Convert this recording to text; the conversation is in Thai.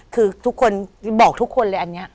คือทุกคนบอกทุกคนเลยอันนี้